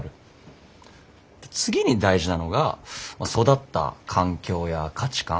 次に大事なのが育った環境や価値観。